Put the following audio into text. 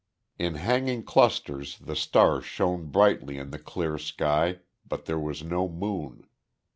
In hanging clusters the stars shone brightly in the clear sky, but there was no moon.